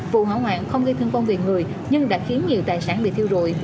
vụ hỏa hoạn không gây thương vong về người nhưng đã khiến nhiều tài sản bị thiêu rụi